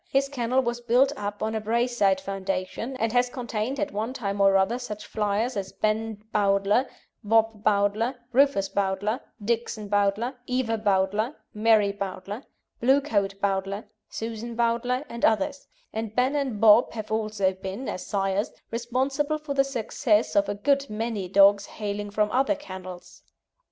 His kennel was built up on a Braeside foundation, and has contained at one time or other such flyers as Ben Bowdler, Bob Bowdler, Rufus Bowdler, Dixon Bowdler, Eva Bowdler, Mary Bowdler, Blue coat Bowdler, Susan Bowdler, and others, and Ben and Bob have also been, as sires, responsible for the success of a good many dogs hailing from other kennels.